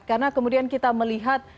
karena kemudian kita melihat